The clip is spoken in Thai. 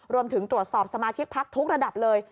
รวมถึงตรวจสอบสมาชิกพักทุกระดับเลย